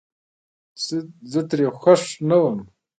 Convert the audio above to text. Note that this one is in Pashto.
زه ترې خوښ نه ووم